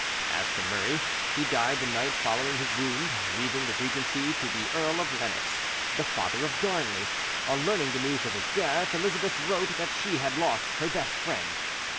As to Murray, he died the night following his wound, leaving the regency to the Earl of Lennox, the father of Darnley: on learning the news of his death, Elizabeth wrote that she had lost her best friend.